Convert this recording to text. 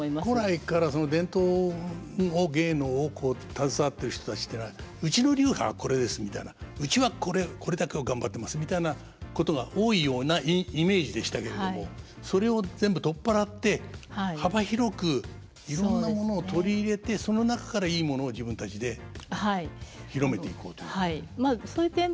古来からその伝統芸能をこう携わっている人たちっていうのは「うちの流派はこれです」みたいな「うちはこれだけを頑張ってます」みたいなことが多いようなイメージでしたけれどもそれを全部取っ払って幅広くいろんなものを取り入れてその中からいいものを自分たちで広めていこうという。